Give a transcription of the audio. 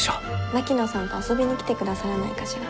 槙野さんと遊びに来てくださらないかしら？